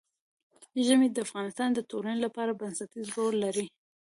ژمی د افغانستان د ټولنې لپاره بنسټيز رول لري.